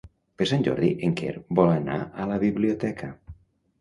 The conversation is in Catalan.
Per Sant Jordi en Quer vol anar a la biblioteca.